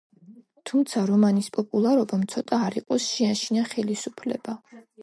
თუმცა რომანის პოპულარობამ, ცოტა არ იყოს, შეაშინა ხელისუფლება.